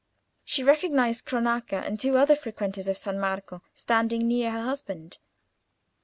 She recognised Cronaca and two other frequenters of San Marco standing near her husband.